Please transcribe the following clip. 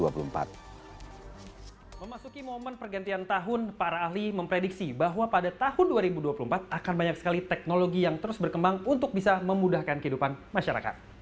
memasuki momen pergantian tahun para ahli memprediksi bahwa pada tahun dua ribu dua puluh empat akan banyak sekali teknologi yang terus berkembang untuk bisa memudahkan kehidupan masyarakat